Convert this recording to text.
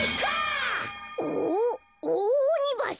おオオオニバス？